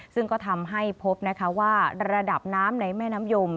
ซึ่งก็ทำให้พบนะคะว่าระดับน้ำในแม่น้ำยม